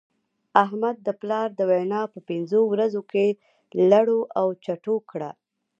احمد د پلا دونيا په پنځو ورځو کې لړو او چټو کړه.